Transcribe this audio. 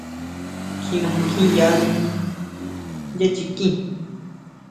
Kjima kjín yani yá chiquin.